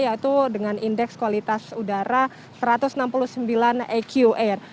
yaitu dengan indeks kualitas udara satu ratus enam puluh sembilan eqr